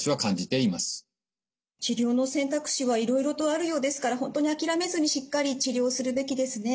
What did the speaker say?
治療の選択肢はいろいろとあるようですから本当に諦めずにしっかり治療をするべきですね。